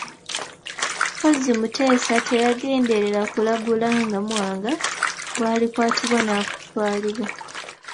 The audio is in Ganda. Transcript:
Mpozzi Mutesa teyagenderera kulagula nga Mwanga bw'alikwatibwa n'atwalibwa.